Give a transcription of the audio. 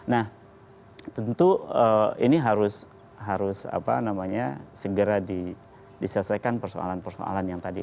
nah tentu ini harus segera diselesaikan persoalan persoalan yang tadi